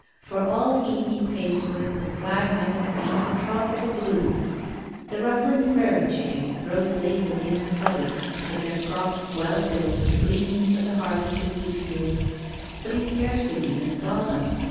For all heed he paid to it the sky might have been of a tropical blue. The ruffling prairie chicken rose lazily in their coveys, with their crops well filled with the gleanings of the harvested wheat fields, but he scarcely even saw them.